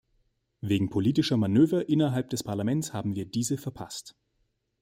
Wegen politischer Manöver innerhalb des Parlaments haben wir diese verpasst.